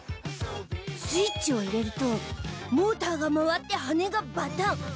スイッチを入れるとモーターが回って羽根がバタン。